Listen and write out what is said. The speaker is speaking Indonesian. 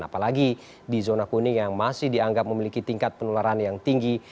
apalagi di zona kuning yang masih dianggap memiliki tingkat penularan yang tinggi